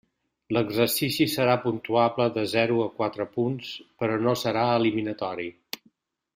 L'exercici serà puntuable de zero a quatre punts, però no serà eliminatori.